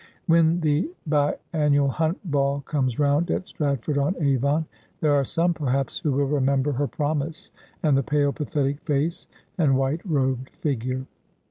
When the bi annual Hunt Ball comes round at Stratford on Avon there. are some, perhaps, who will remember her promise, and the pale, pathetic face, and white robed figure.